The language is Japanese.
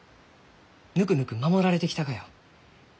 ぬくぬく守られてきたがよ。